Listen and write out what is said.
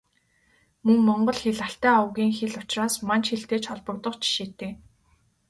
Мөн Монгол хэл Алтай овгийн хэл учраас Манж хэлтэй ч холбогдох жишээтэй.